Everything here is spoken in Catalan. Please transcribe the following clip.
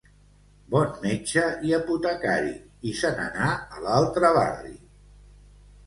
Bon metge i apotecari, i se n'anà a l'altre barri.